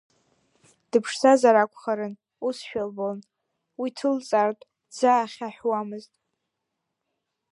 Дыԥшӡазар акәхарын, усшәа илбон, уи ҭылҵаартә дзаахьаҳәуамызт.